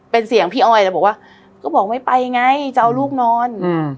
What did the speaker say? เป็นเสียงพี่ออยแต่บอกว่าก็บอกไม่ไปไงจะเอาลูกนอน